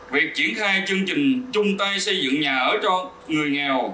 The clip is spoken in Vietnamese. việc triển khai chương trình chung tay xây dựng nhà ở cho người nghèo